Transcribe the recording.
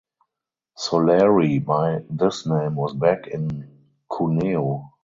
Soleri by this time was back in Cuneo.